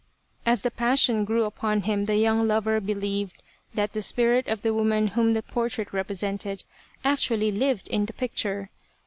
As the passion grew upon him the young lover be lieved that the spirit of the woman whom the portrait represented actually lived in the picture.